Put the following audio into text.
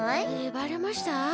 バレました？